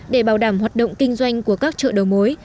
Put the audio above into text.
để bảo đảm hoạt động kinh doanh của các chợ đầu mối